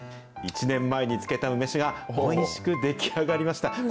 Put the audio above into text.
１年前に漬けた梅酒がおいしく出来上がりました。